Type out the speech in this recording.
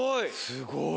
すごい。